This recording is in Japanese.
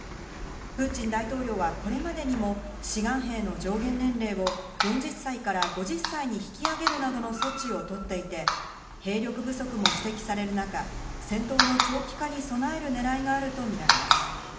プーチン大統領はこれまでにも志願兵の上限年齢を４０歳から５０歳に引き上げるなどの措置を取っていて、兵力不足も指摘される中、戦闘の長期化に備える狙いがあるとみられます。